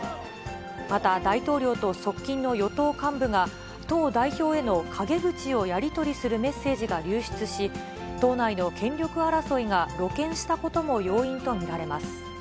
また大統領と側近の与党幹部が、党代表への陰口をやり取りするメッセージが流出し、党内の権力争いが露見したことも要因と見られます。